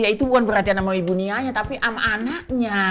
itu bukan perhatian sama ibu nia tapi sama anaknya